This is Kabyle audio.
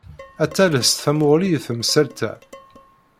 Ad tales tamuɣli i temsalt-a.